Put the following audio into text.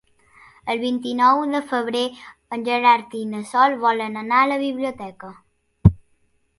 El vint-i-nou de febrer en Gerard i na Sol volen anar a la biblioteca.